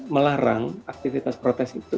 melarang aktivitas protes itu